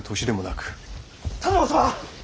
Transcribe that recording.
・田沼様！